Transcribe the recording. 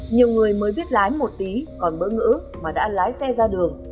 nhiều người mới biết lái một tí còn bớ ngữ mà đã lái xe ra đường